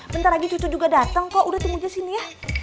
bentar lagi cucu juga dateng kok udah temunya sini ya